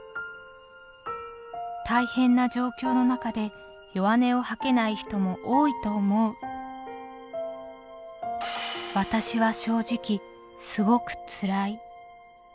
「大変な状況の中で弱音を吐けない人も多いと思うわたしは正直すごくつらい！！」。